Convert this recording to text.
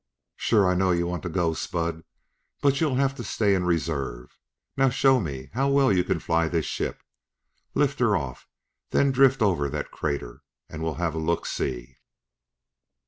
"Sure, I know you want to go. Spud; but you'll have to stay in reserve. Now show me how well you can fly the ship. Lift her off; then drift over that crater, and we'll have a look see!"